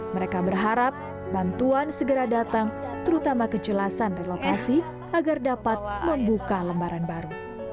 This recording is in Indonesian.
mereka berharap bantuan segera datang terutama kejelasan relokasi agar dapat membuka lembaran baru